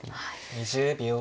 ２０秒。